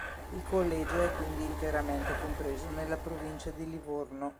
Il collegio è quindi interamente compreso nella provincia di Livorno.